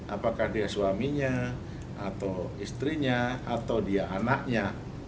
apakah dia suaminya atau istrinya atau dia anaknya